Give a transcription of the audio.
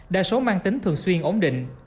đa số mang tính thường xuyên ổn định